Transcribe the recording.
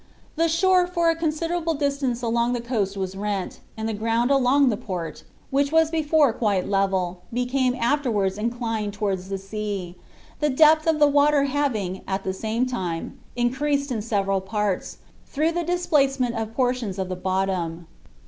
The shore for a considerable distance along the coast was rent, and the ground along the port, which was before quite level, became afterwards inclined towards the sea, the depth of the water having, at the same time, increased in several parts, through the displacement of portions of the bottom.